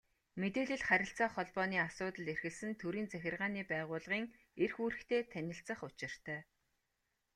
Мэдээлэл, харилцаа холбооны асуудал эрхэлсэн төрийн захиргааны байгууллагын эрх үүрэгтэй танилцах учиртай.